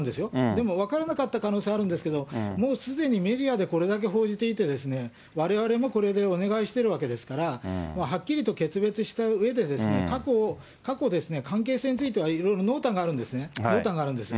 でも分からなかった可能性はあるんですけど、もうすでにメディアでこれだけ報じていて、われわれもこれでお願いをしているわけですから、はっきりと決別したうえで、過去、関係性についてはいろいろ濃淡があるんですね、濃淡があるんです。